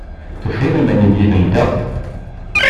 Tufiḍ iman-im yid-nteɣ?